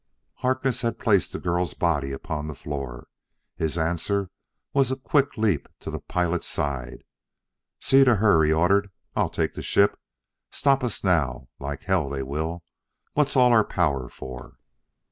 Harkness had placed the girl's body upon the floor. His answer was a quick leap to the pilot's side. "See to her," he ordered; "I'll take the ship. Stop us now? Like hell they will! What's all our power for?"